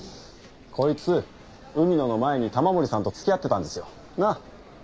こいつ海野の前に玉森さんと付き合ってたんですよ。なあ？